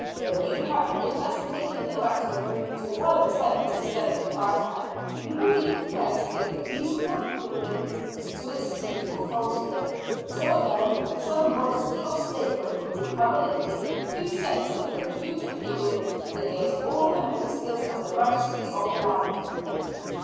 When you have investigated the matter to one tenth the extent that I have, you will be prepared to give a reasonable opinion as to its truth or falsehood. Until then, some modesty of statement would become a lady who sets up her crude opinion against all the ministers and the magistracy of the land."